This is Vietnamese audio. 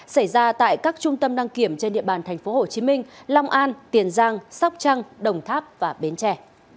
xảy ra tại các trung tâm đăng kiểm trên địa bàn tp hcm long an tiền giang sóc trăng đồng tháp và bến trẻ